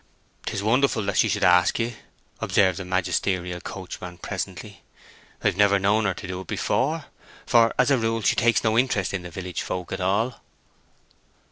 "'Tis wonderful that she should ask ye," observed the magisterial coachman, presently. "I have never known her do it before, for as a rule she takes no interest in the village folk at all."